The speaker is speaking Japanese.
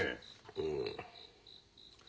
うん。